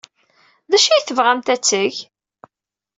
D acu ay tebɣamt ad t-teg?